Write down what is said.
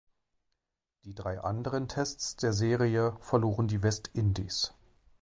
Die drei anderen Tests der Serie verloren die West Indies.